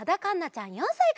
ちゃん４さいから。